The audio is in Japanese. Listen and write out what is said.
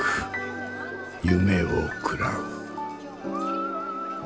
夢を食らう。